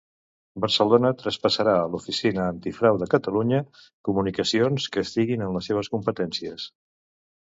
Barcelona traspassarà a l'Oficina Antifrau de Catalunya comunicacions que estiguin en les seves competències.